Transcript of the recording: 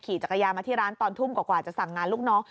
จักรยานมาที่ร้านตอนทุ่มกว่าจะสั่งงานลูกน้อง